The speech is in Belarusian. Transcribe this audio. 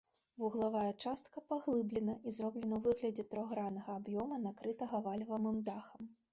Вуглавая частка паглыблена і зроблена ў выглядае трохграннага аб'ёма, накрытага вальмавым дахам.